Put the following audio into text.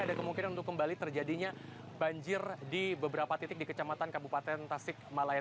ada kemungkinan untuk kembali terjadinya banjir di beberapa titik di kecamatan kabupaten tasik malaya